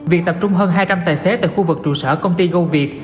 việc tập trung hơn hai trăm linh tài xế tại khu vực trụ sở công ty goviet